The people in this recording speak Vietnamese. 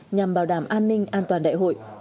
nhằm bảo đảm an ninh an toàn đại hội